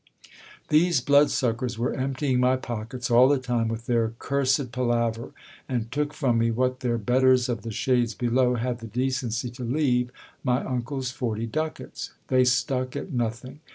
These blood suckers were emptying my pockets all the time with their cursed palaver, and took from me what their betters of the shades below had the decency to leave — my uncle's forty ducats. They stuck at nothing